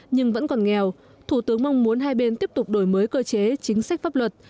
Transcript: nhưng vẫn còn nghèo thủ tướng mong muốn hai bên tiếp tục đổi mới cơ chế chính sách pháp luật